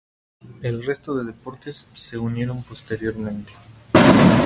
El resto de deportes se unieron posteriormente.